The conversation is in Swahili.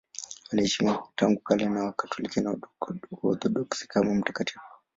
Anaheshimiwa tangu kale na Wakatoliki na Waorthodoksi kama mtakatifu.